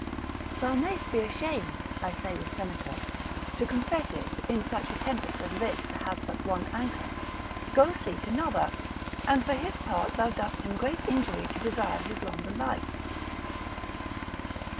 Thou mayst be ashamed, I say with Seneca, to confess it, in such a tempest as this to have but one anchor, go seek another: and for his part thou dost him great injury to desire his longer life.